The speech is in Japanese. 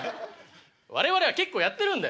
我々は結構やってるんだよ！